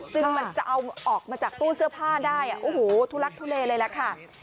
มันจะเอาออกมาจากตู้เสื้อผ้าได้โอ้โหทุลักทุเลเลยล่ะค่ะ